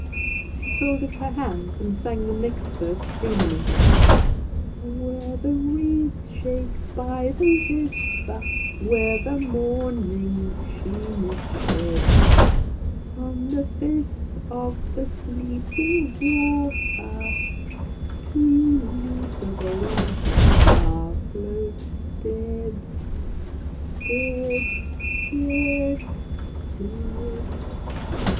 She folded her hands and sang the next verse dreamily: Where the reeds shake by the river, Where the moonlight's sheen is shed, On the face of the sleeping water, Two leaves of a white flower float dead. Dead, Dead, Dead!